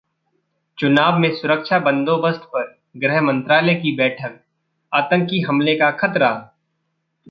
चुनाव में सुरक्षा बंदोबस्त पर गृह मंत्रालय की बैठक, आतंकी हमले का खतरा